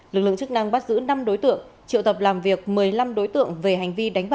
lấy đi bốn mươi một triệu đồng cùng năm năm cây vàng